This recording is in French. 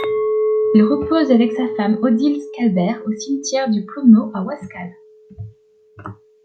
Il repose avec sa femme Odile Scalbert au cimetière du Plomeux à Wasquehal.